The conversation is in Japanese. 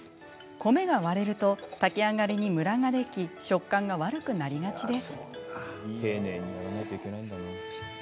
米が割れると炊き上がりにムラができ食感が悪くなりがちです。